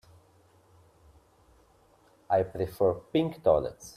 I prefer pink toilets.